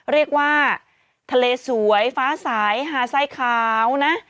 เรียกว่าทะเลสวยฟ้าสายหาไส้ขาวนะ